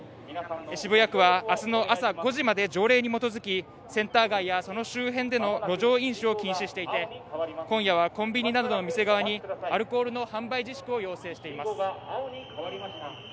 渋谷区は明日の朝５時まで条例に基づきセンター街やその周辺での路上飲酒を禁止していて今夜はコンビニなどの店側にアルコールの販売自粛を要請しています。